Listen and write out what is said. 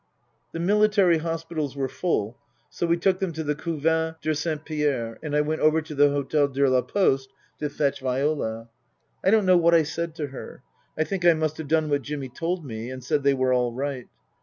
The military hospitals were full, so we took them to the Couvent de Saint Pierre. And I went over to the H6tel de la Poste to fetch Viola. I don't know what I said to her. I think I must have done what Jimmy told me and said they were all right.